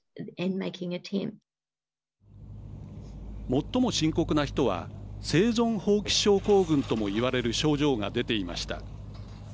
最も深刻な人は生存放棄症候群ともいわれる症状が出ていました。